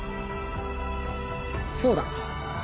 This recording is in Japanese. そうだ。